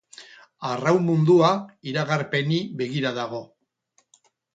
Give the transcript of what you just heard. Arraun mundua iragarpeni begira dago.